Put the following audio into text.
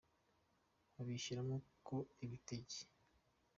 abishyiramo ko ibitege.